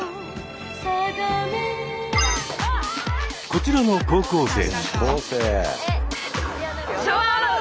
こちらの高校生。